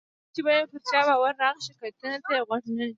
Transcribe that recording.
کله چې به یې پر چا باور راغی، شکایتونو ته یې غوږ نه نیو.